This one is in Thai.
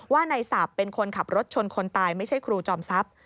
ว่าในศัพท์เป็นคนขับรถชนคนตายไม่ใช่ครูจอมทรัพย์